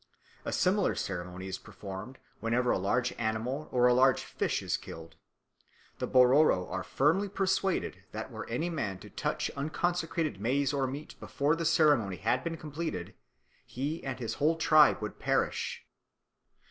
A similar ceremony is performed whenever a large animal or a large fish is killed. The Bororo are firmly persuaded that were any man to touch unconsecrated maize or meat, before the ceremony had been completed, he and his whole tribe would perish.